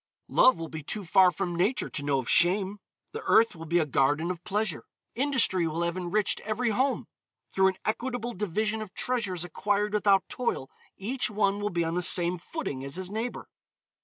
Love will be too far from Nature to know of shame. The earth will be a garden of pleasure. Industry will have enriched every home. Through an equitable division of treasures acquired without toil, each one will be on the same footing as his neighbor.